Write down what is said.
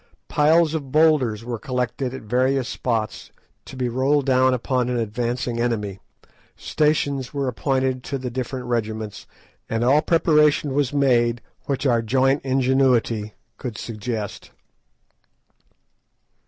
Piles of boulders were collected at various spots to be rolled down upon an advancing enemy, stations were appointed to the different regiments, and all preparation was made which our joint ingenuity could suggest.